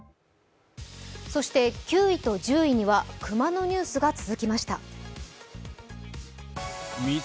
そして９位と１０位には熊のニュースが続きました。